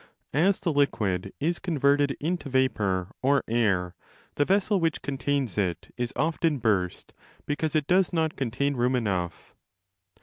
As the liquid is converted into vapour or air the vessel which contains it is often burst because it does not contain room enough.